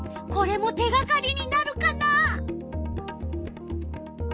これも手がかりになるかな？